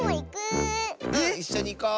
⁉いっしょにいこう。